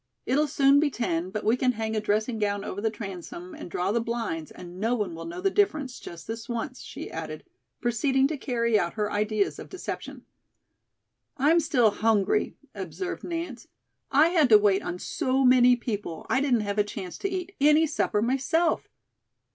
"It'll soon be ten, but we can hang a dressing gown over the transom and draw the blinds and no one will know the difference just this once," she added, proceeding to carry out her ideas of deception. "I'm still hungry," observed Nance. "I had to wait on so many people I didn't have a chance to eat any supper myself."